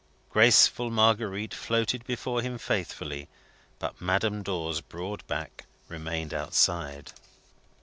Graceful Marguerite floated before him faithfully, but Madame Dor's broad back remained outside.